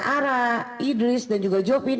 ara idris dan juga jopin